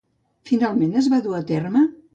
Finalment es va dur a terme?